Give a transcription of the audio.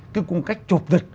cái cung cách chụp vật